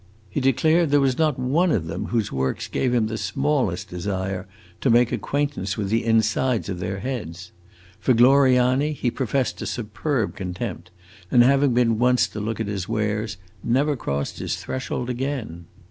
He declared there was not one of them whose works gave him the smallest desire to make acquaintance with the insides of their heads. For Gloriani he professed a superb contempt, and, having been once to look at his wares, never crossed his threshold again.